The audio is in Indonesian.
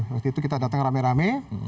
waktu itu kita datang rame rame